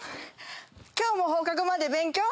今日も放課後まで勉強？